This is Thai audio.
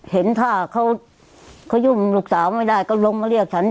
เห็นถ้าเขายุ่มลูกสาวไม่ได้ก็ลงมาเรียกฉัน